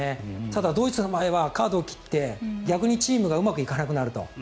ただ、ドイツの場合はカードを切って逆にチームがうまくいかなくなると。